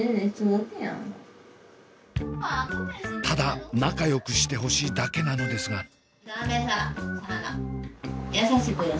ただ仲よくしてほしいだけなのですが。